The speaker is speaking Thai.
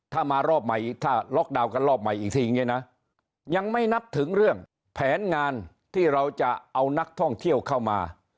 ถ้ามารอบใหม่ถ้าล็อกดาวน์กันรอบใหม่อีกทีอย่างนี้นะยังไม่นับถึงเรื่องแผนงานที่เราจะเอานักท่องเที่ยวเข้ามา